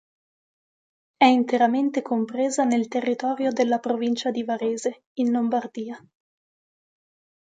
È interamente compresa nel territorio della Provincia di Varese, in Lombardia.